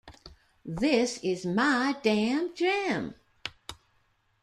This is "my" damn gym!".